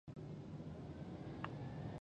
کوږ قلم دروغ لیکي